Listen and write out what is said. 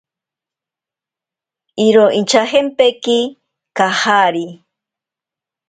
Iro inchajempeki kajari.